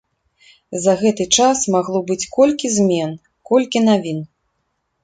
За гэты час магло быць колькі змен, колькі навін.